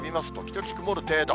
時々曇る程度。